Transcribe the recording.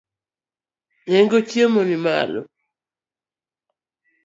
Nengo chiemo nimalo.